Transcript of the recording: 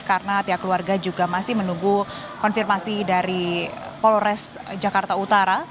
karena pihak keluarga juga masih menunggu konfirmasi dari polres jakarta utara